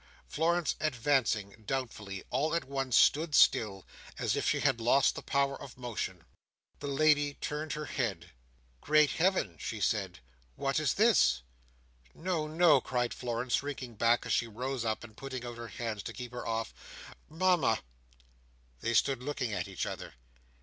Florence advancing, doubtfully, all at once stood still, as if she had lost the power of motion. The lady turned her head. "Great Heaven!" she said, "what is this?" "No, no!" cried Florence, shrinking back as she rose up and putting out her hands to keep her off. "Mama!" They stood looking at each other.